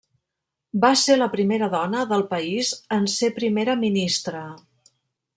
Va ser la primera dona del país en ser primera ministra.